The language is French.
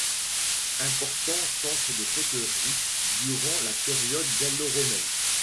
Important centre de poterie durant la période gallo-romaine.